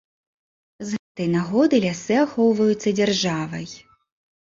З гэтай нагоды лясы ахоўваюцца дзяржавай.